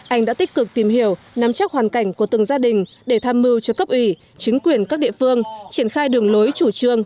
anh đã tích cực tìm hiểu nắm chắc hoàn cảnh của từng gia đình để tham mưu cho cấp ủy chính quyền các địa phương triển khai đường lối chủ trương